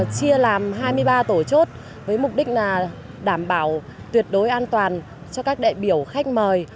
chia làm hai mươi ba tổ chốt với mục đích là đảm bảo tuyệt đối an toàn cho các đại biểu khách mời